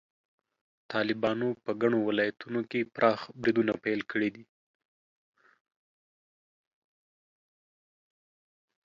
طالبانو په ګڼو ولایتونو کې پراخ بریدونه پیل کړي دي.